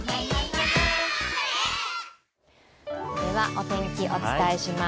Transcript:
お天気、お伝えします。